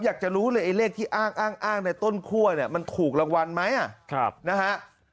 อยากจะรู้เลยไอ้เลขที่อ้างในต้นคั่วเนี่ยมันถูกรางวัลไหมนะฮะ